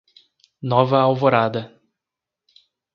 Nova Alvorada